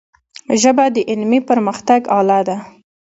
ژبه د علمي پرمختګ آله ده.